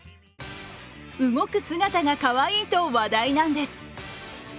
動く姿がかわいいと話題なんです。